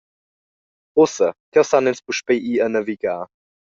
Ussa, cheu san ins puspei ir a navigar.